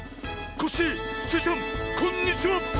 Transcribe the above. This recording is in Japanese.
コッシースイちゃんこんにちは！